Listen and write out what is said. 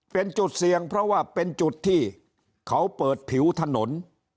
เป็นจุดเสี่ยงเพราะว่าเป็นจุดที่เขาเปิดผิวถนน